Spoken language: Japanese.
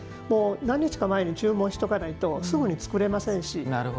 何日か前に注文しておかないとすぐに作れませんし。